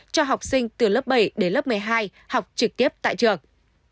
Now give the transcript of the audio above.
cho học sinh từ lớp bảy đến lớp một mươi hai học trực tiếp tại trường